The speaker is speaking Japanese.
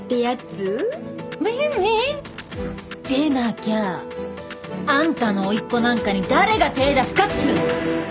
ウィンウィン？でなきゃあんたの甥っ子なんかに誰が手ぇ出すかっつーの！